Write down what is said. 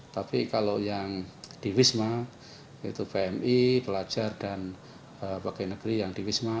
tapi kalau yang di wisma itu pmi pelajar dan bagian negeri yang di wisma